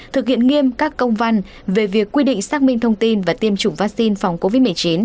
thực hiện nghiêm các công văn về việc quy định xác minh thông tin và tiêm chủng vaccine phòng covid một mươi chín